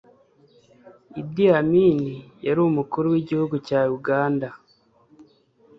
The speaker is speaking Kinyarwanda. Idi Amin Yari Umukuru wigihugu cya uganda